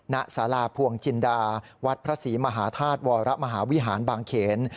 ณสาราภวงจินดาวัดพระศรีมหาธาตุวรมหาวิหารบางเขน